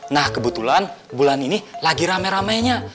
nah kebetulan bulan ini lagi rame ramenya